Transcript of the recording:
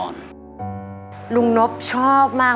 ลุงนบชอบมาก